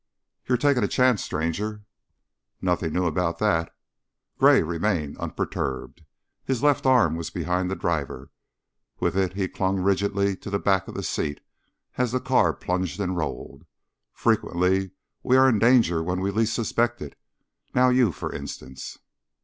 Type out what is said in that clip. "You're takin' a chance, stranger." "Nothing new about that." Gray remained unperturbed. His left arm was behind the driver; with it he clung rigidly to the back of the seat as the car plunged and rolled. "Frequently we are in danger when we least suspect it. Now you, for instance."